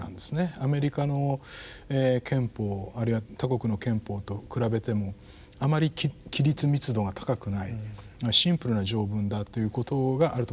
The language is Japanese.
アメリカの憲法あるいは他国の憲法と比べてもあまり規律密度が高くないシンプルな条文だということがあると思います。